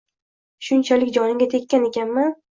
Shunchalik joniga tekkan ekanman